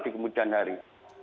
di kemudian hari